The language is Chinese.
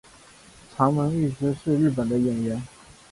长门裕之是日本的演员。